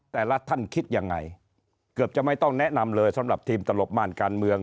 แต่ละท่านคิดยังไงเกือบจะไม่ต้องแนะนำเลยสำหรับทีมตลบม่านการเมือง